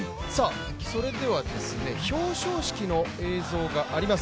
それでは表彰式の映像があります。